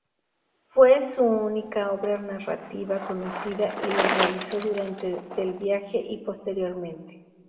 Fue su única obra narrativa conocida, y la realizó durante del viaje y posteriormente.